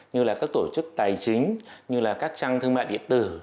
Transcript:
như là các tổ chức tài chính như là các trang thương mại điện tử